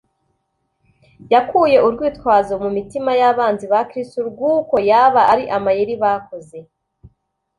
yakuye urwitwazo mu mitima y'abanzi ba Kristo rw'uko yaba ari amayeri bakoze.